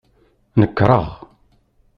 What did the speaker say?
Nekreɣ.